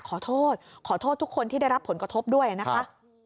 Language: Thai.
ขอโทษขอโทษทุกคนที่ได้รับผลกระทบด้วยนะคะ